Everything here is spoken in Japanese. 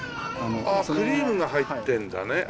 クリームが入ってるんだね。